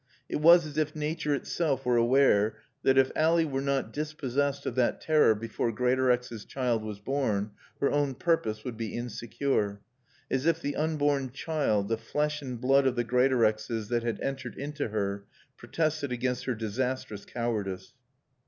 It was as if Nature itself were aware that, if Ally were not dispossessed of that terror before Greatorex's child was born her own purpose would be insecure; as if the unborn child, the flesh and blood of the Greatorexes that had entered into her, protested against her disastrous cowardice.